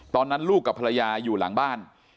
ตอนนั้นลูกกับภรรยาอยู่หลังบ้าน